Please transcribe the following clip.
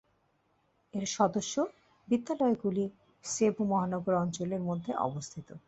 এর সদস্য বিদ্যালয়গুলি সেবু মহানগর অঞ্চলের মধ্যে অবস্থিত।